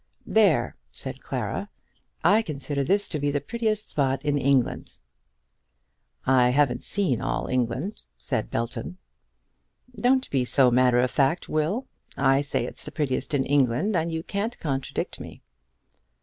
"There," said Clara, "I consider this to be the prettiest spot in England." "I haven't seen all England," said Belton. "Don't be so matter of fact, Will. I say it's the prettiest in England, and you can't contradict me."